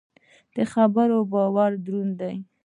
د خبرو بار دروند دی.